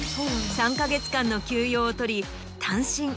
３か月間の休養を取り単身